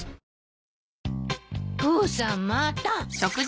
父さんまた。